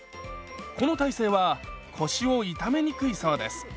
この体勢は腰を痛めにくいそうです。